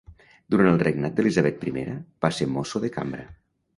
Durant el regnat d'Elisabeth I, va ser mosso de cambra.